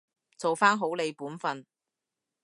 做返好你本分